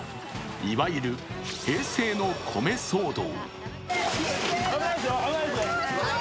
いわゆる平成の米騒動。